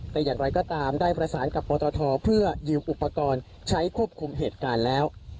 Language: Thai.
แต่อย่างไรก็ตามได้ประสานกับปตทเพื่อยืมอุปกรณ์ใช้ควบคุมเหตุการณ์แล้ว